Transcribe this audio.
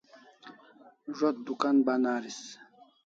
Zo't dukan ban aris